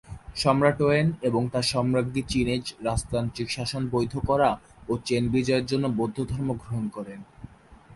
সম্রাট ওয়েন এবং তার সম্রাজ্ঞী চীনে রাজতান্ত্রিক শাসন বৈধ করা ও চেন বিজয়ের জন্য বৌদ্ধ ধর্ম গ্রহণ করেন।